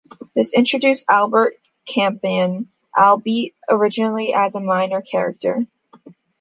This introduced Albert Campion, albeit originally as a minor character.